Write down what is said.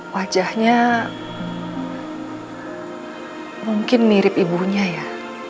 wajahnya mungkin mirip ibunya ya